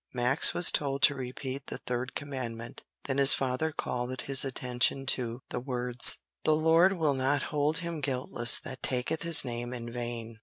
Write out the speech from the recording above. Max was told to repeat the third commandment, then his father called his attention to the words, "The Lord will not hold him guiltless that taketh His name in vain."